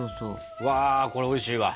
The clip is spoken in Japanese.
うわこれおいしいわ。